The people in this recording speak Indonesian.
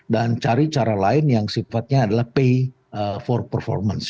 dan cari cara lain yang sifatnya adalah pay for performance